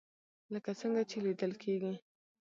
لکه څنګه چې ليدل کېږي